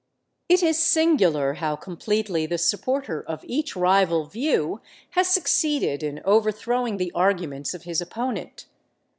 It is singular how completely the supporter of each rival view has succeeded in overthrowing the arguments of his opponent.